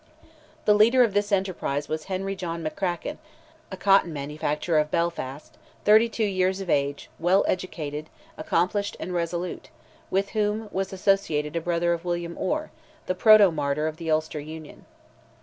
The leader of this enterprise was Henry John McCracken, a cotton manufacturer of Belfast, thirty two years of age, well educated, accomplished and resolute, with whom was associated a brother of William Orr, the proto martyr of the Ulster Union.